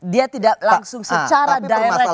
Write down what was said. dia tidak langsung secara direct ingin menendang